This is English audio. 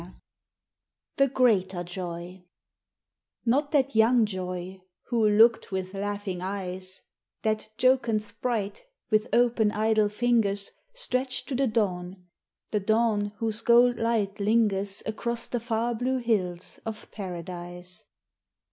VIII The Greater Joy Not that young Joy who looked with laughing eyes, That jocund sprite with open, idle fingers Stretched to the dawn, the dawn whose gold light lingers Across the far blue hills of Paradise.